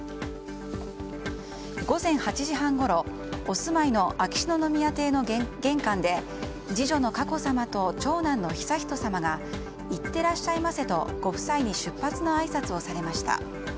午前８時半ごろお住まいの秋篠宮邸の玄関で次女の佳子さまと長男の悠仁さまがいってらっしゃいませとご夫妻に出発のあいさつをされました。